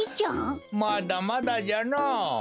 まだまだじゃのぉ。